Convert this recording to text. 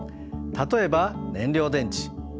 例えば燃料電池。